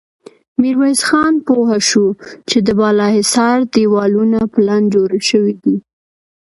ميرويس خان پوه شو چې د بالا حصار دېوالونه پلن جوړ شوي دي.